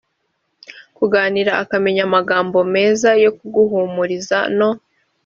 kuganira akamenya amagambo meza yo kuguhumuriza no